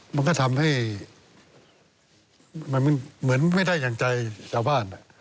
มันก็ทำให้มันเหมือนไม่ได้อย่างใจชาวบ้าน